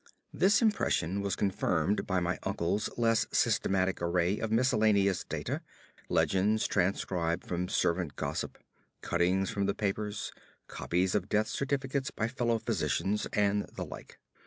This impression was confirmed by my uncle's less systematic array of miscellaneous data legends transcribed from servant gossip, cuttings from the papers, copies of death certificates by fellow physicians, and the like.